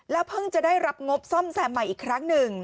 เพิ่งจะได้รับงบซ่อมแซมใหม่อีกครั้งหนึ่ง